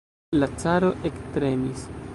La caro ektremis.